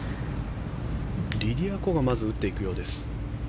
リディア・コがまず打っていくようです。